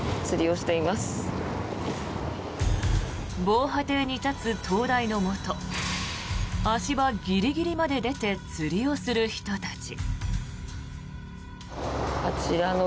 防波堤に立つ灯台のもと足場ギリギリまで出て釣りをする人たち。